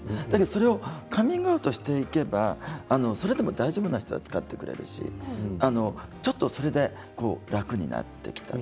それをカミングアウトしていけばそれでも大丈夫な人は使ってくれるしちょっとそれで楽になってきた。